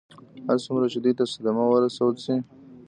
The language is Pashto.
هر څومره چې دوی ته صدمه ورسول شي.